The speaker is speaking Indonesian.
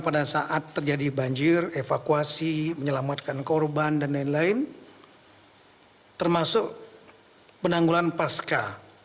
pada saat terjadi banjir evakuasi menyelamatkan korban dan lain lain termasuk penanggulan pasca